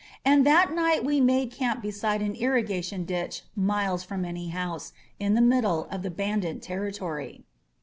And that night we made camp be side an irrigation ditch miles from any house, in the middle of the bandit territory.